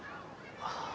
ああ